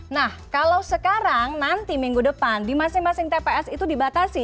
nah kalau sekarang nanti minggu depan di masing masing tps itu dibatasi